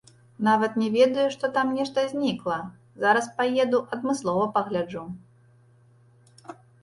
Нават не ведаю, што там нешта знікла, зараз паеду адмыслова пагляджу.